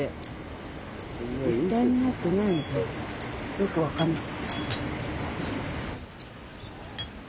よく分かんない。